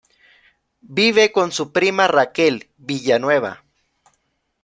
Vive con su prima Raquel Villanueva.